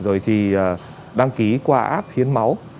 rồi thì đăng ký qua app hiên máu